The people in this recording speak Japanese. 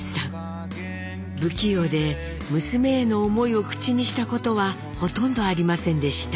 不器用で娘への思いを口にしたことはほとんどありませんでした。